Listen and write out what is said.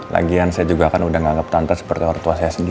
lagian saya juga kan udah menganggap tante seperti orang tua saya sendiri